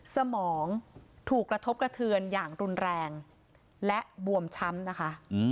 สมองถูกกระทบกระเทือนอย่างรุนแรงและบวมช้ำนะคะ